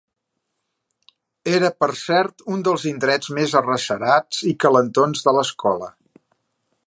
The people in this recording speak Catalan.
...era, per cert, un dels indrets més arrecerats i calentons de l'Escola.